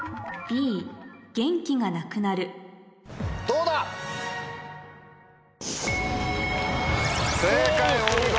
どうだ⁉正解お見事。